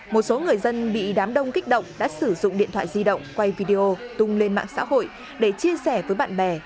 một số người dân bị đám đông kích động đã sử dụng điện thoại di động quay video tung lên mạng xã hội để chia sẻ với bạn bè